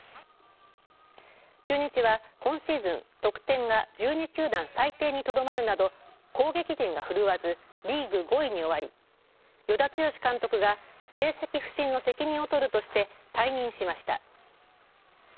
中日は今シーズン得点が１２球団最低にとどまるなど攻撃陣が振るわずリーグ５位に終わり与田剛監督が成績不振の責任を取るとして退任しました。